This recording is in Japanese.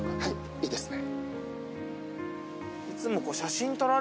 いいですね